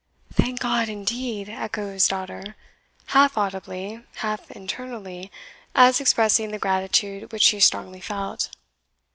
"Thank God, indeed!" echoed his daughter, half audibly, half internally, as expressing the gratitude which she strongly felt.